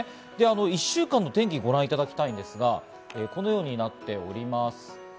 １週間の天気をご覧いただきたいんですが、このようになっております。